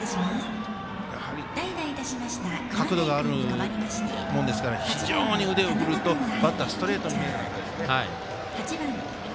やはり角度があるものですから非常に腕を振ると、バッターストレートに見えたんですね。